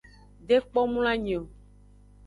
De kpo mloanyi o.